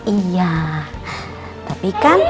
iya tapi kan